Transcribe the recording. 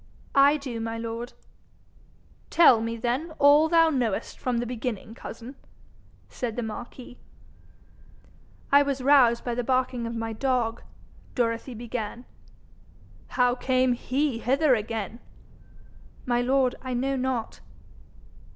'I do, my lord.' 'Tell me, then, all thou knowest from the beginning, cousin,' said the marquis. 'I was roused by the barking of my dog,' Dorothy began. 'How came HE hither again?' 'My lord, I know not.'